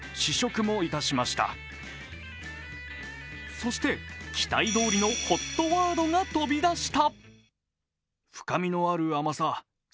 そして期待どおりのＨＯＴワードが飛び出した。